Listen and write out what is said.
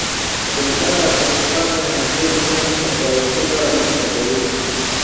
جلګه د افغانستان د ناحیو ترمنځ تفاوتونه رامنځ ته کوي.